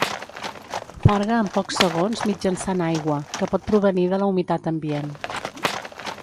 Farga en pocs segons mitjançant aigua, que pot provenir de la humitat ambient.